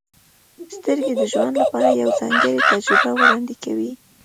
• سترګې د ژوند لپاره یوه ځانګړې تجربه وړاندې کوي.